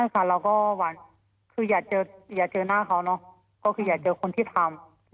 ถ้ามันอยากเจอหน้าเขาอยากเจอคนที่ทำ